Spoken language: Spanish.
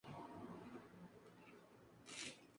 Lo llamó un invento de Caín que presagiaba el Armagedón.